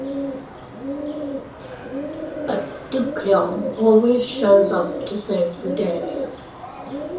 But Duklyon always shows up to save the day.